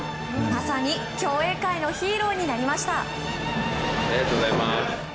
まさに競泳界のヒーローになりました。